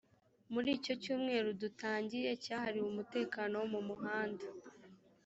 muri icyo cyumweru dutangiye cyahariwe umutekano wo mu muhanda